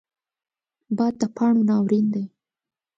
باد د پاڼو ناورین دی